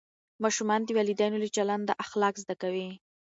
ماشومان د والدینو له چلنده اخلاق زده کوي.